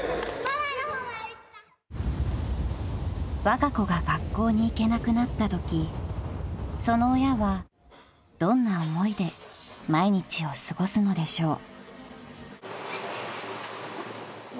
［わが子が学校に行けなくなったときその親はどんな思いで毎日を過ごすのでしょう？］